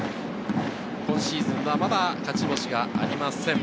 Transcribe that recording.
今シーズンはまだ勝ち星がありません。